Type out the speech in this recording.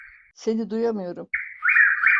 Seni duyamıyorum.